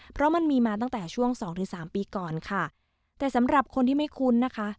เพราะมันมีมาตั้งแต่ช่วงสองถึงสามปีก่อนค่ะแต่สำหรับคนที่ไม่คุ้นนะคะ